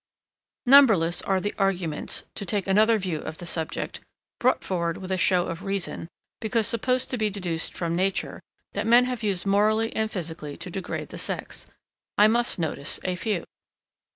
Numberless are the arguments, to take another view of the subject, brought forward with a show of reason; because supposed to be deduced from nature, that men have used morally and physically to degrade the sex. I must notice a few.